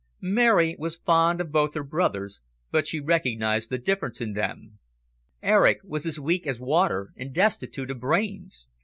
Mary was fond of both her brothers, but she recognised the difference in them. Eric was as weak as water and destitute of brains.